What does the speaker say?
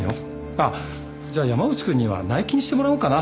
あっじゃあ山内君には内勤してもらおうかな？